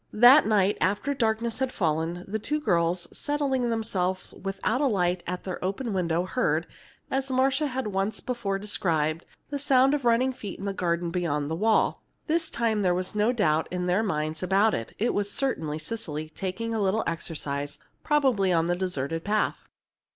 That night, after darkness had fallen, the two girls, settling themselves without a light at their open window, heard, as Marcia had once before described, the sound of running feet in the garden beyond the wall. This time there was no doubt in their minds about it. It was certainly Cecily, taking a little exercise, probably on the deserted path.